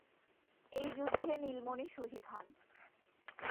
এই যুদ্ধে নীলমণি শহীদ হন।